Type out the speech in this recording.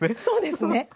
そうですね。